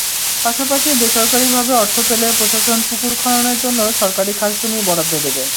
পাশাপাশি বেসরকারিভাবে অর্থ পেলে প্রশাসন পুকুর খননের জন্য সরকারি খাসজমি বরাদ্দ দেবে।